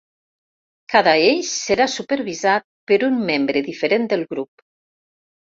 Cada eix serà supervisat per un membre diferent del grup.